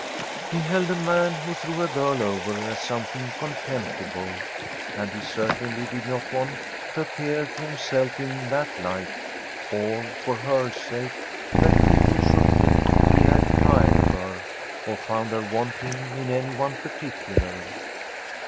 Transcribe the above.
He held a man who threw a girl over as something contemptible, and he certainly did not want to appear to himself in that light; or, for her sake, that people should think he had tired of her, or found her wanting in any one particular.